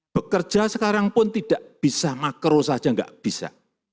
bekerja sekarang pun tidak bisa makro saja tidak bisa